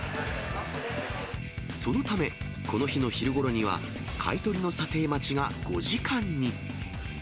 そのため、この日の昼ごろには、買い取りの査定待ちが５時間に。